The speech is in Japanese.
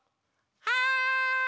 はい！